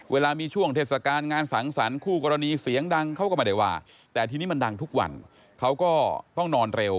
เวลามีช่วงเทศกาลงานสังสรรคคู่กรณีเสียงดังเขาก็ไม่ได้ว่าแต่ทีนี้มันดังทุกวันเขาก็ต้องนอนเร็ว